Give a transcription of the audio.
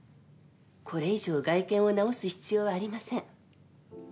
これ以上外見を直す必要はありません。